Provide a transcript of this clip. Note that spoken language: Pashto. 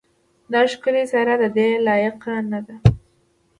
دا ښکلې څېره ددې لایقه نه ده.